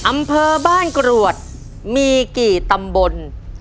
อำเภอบ้านกรวดมีกี่ตำบล